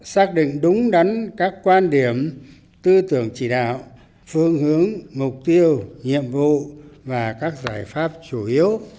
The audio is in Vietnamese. xác định đúng đắn các quan điểm tư tưởng chỉ đạo phương hướng mục tiêu nhiệm vụ và các giải pháp chủ yếu